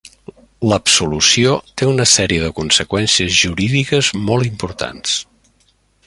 L'absolució té una sèrie de conseqüències jurídiques molt importants.